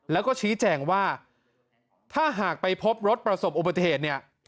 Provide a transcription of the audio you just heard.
แล้วก็ชี้แจงว่าถ้าหากไปพบรถประสบอุบัติเหตุเนี่ย